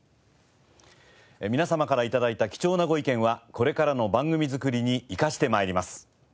皆様から頂いた貴重なご意見はこれからの番組作りに生かして参ります。